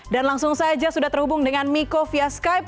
dan langsung saja sudah terhubung dengan miko via skype